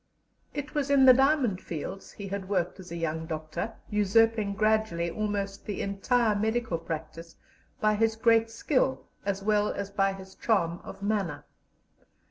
It was in the diamond fields he had worked as a young doctor, usurping gradually almost the entire medical practice by his great skill as well as by his charm of manner.